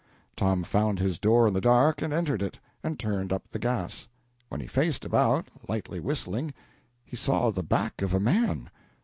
Tom found his door in the dark, and entered it and turned up the gas. When he faced about, lightly whistling, he saw the back of a man.